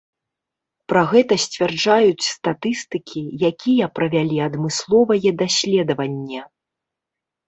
Пра гэта сцвярджаюць статыстыкі, якія правялі адмысловае даследаванне.